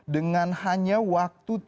dengan hanya waktu tiga menit